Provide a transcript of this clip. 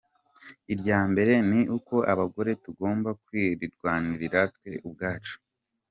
Irya mbere ni uko abagore tugomba kwirwanirira twe ubwacu.